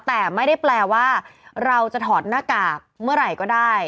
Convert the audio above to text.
แต่ไม่ได้แปลว่าเราจะถอดหน้ากากเมื่อไหร่ก็ได้